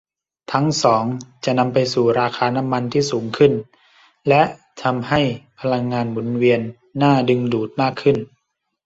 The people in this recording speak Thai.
ทั้งสองจะนำไปสู่ราคาน้ำมันที่สูงขึ้นและทำให้พลังงานหมุนเวียนน่าดึงดูดมากขึ้น